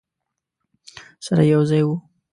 سره یو ځای وو.